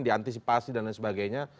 diantisipasi dan lain sebagainya